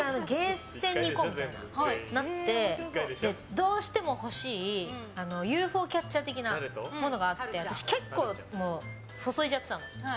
どうしても欲しいＵＦＯキャッチャー的なものがあって私、結構、注いじゃってたの。